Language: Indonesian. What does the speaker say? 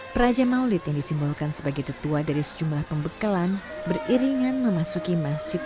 peraja maulid yang disimbolkan sebagai tetua dari sejumlah pembekalan beriringan memasuki masjid